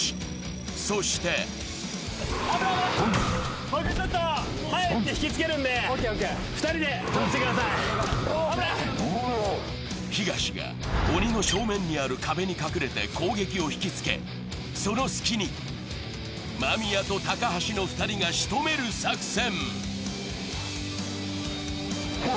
そして東が鬼の正面にある壁にかくれて攻撃を引きつけその隙に、間宮と高橋の２人が仕留める作戦。